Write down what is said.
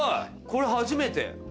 これ初めて。